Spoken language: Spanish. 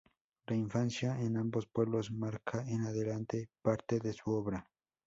La infancia en ambos pueblos marca, en adelante, parte de su obra.